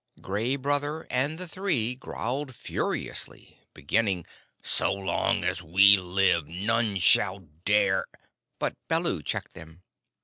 Gray Brother and the Three growled furiously, beginning, "So long as we live none shall dare " But Baloo checked them.